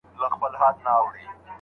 آیا لویه وچه تر ټاپووزمي پراخه ده؟